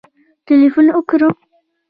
ټلېفون وکړم